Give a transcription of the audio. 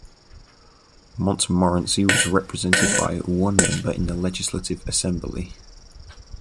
Montmorency was represented by one member in the Legislative Assembly.